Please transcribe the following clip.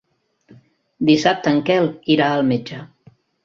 Dissabte en Quel irà al metge.